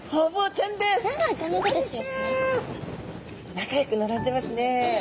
仲よく並んでますね。